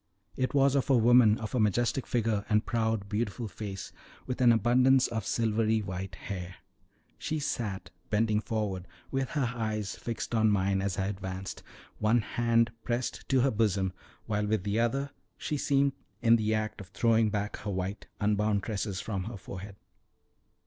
It was of a woman of a majestic figure and proud, beautiful face, with an abundance of silvery white hair. She sat bending forward with her eyes fixed on mine as I advanced, one hand pressed to her bosom, while with the other she seemed in the act of throwing back her white unbound tresses from her forehead.